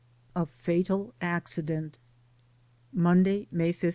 A FATAL ACCIDENT. • Monday, May 15.